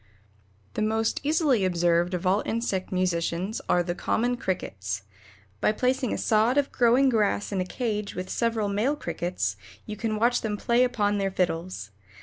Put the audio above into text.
The most easily observed of all insect musicians are the common Crickets. By placing a sod of growing grass in a cage with several male crickets, you can watch them play upon their fiddles.